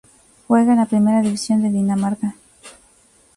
Juega en la Primera División de Dinamarca.